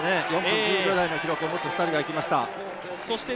４分１０秒台の記録を持つ２人がいきました。